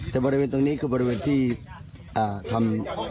แต่บริเวณตรงนี้ที่ทำ